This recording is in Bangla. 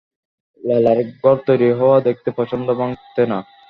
লালার ঘর তৈরি হওয়া দেখতে পছন্দ, ভাঙ্গতে না!